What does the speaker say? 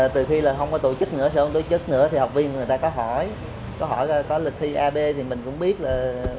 từ khi không có tổ chức nữa học viên người ta có hỏi có hỏi có lịch thi ab thì mình cũng biết là